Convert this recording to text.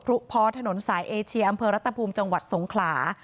เพาะถนนสายเอเชียอำเภอรัตภูมิจังหวัดสงขลา